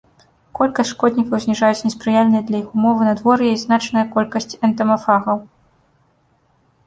Колькасць шкоднікаў зніжаюць неспрыяльныя для іх ўмовы надвор'я і значная колькасць энтамафагаў.